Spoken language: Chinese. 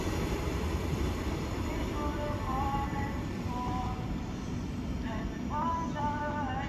详见黑森大公国以及拿绍公国。